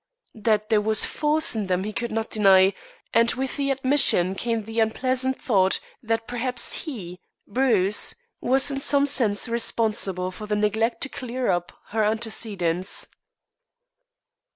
That there was force in them he could not deny, and with the admission came the unpleasant thought that perhaps he, Bruce, was in some sense responsible for the neglect to clear up her antecedents.